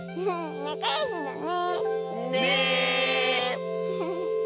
なかよしだね。ね。